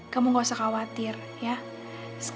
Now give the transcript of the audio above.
kamu gak usah kawansi